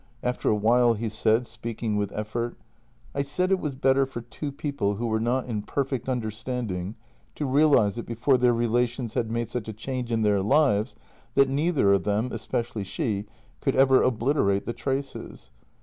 After a while he said, speaking with effort: " I said it was better for two people who were not in perfect understanding to realize it before their relations had made such a change in their lives that neither of them — especially she — could ever obliterate the traces.